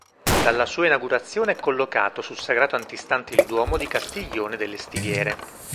Dalla sua inaugurazione è collocato sul sagrato antistante il Duomo di Castiglione delle Stiviere.